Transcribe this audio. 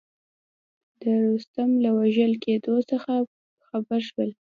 د رستم له وژل کېدلو څخه خبر شول.